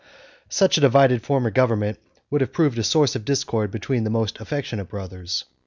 ] Such a divided form of government would have proved a source of discord between the most affectionate brothers.